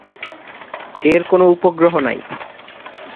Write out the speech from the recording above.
এর কোনও উপগ্রহ নাই।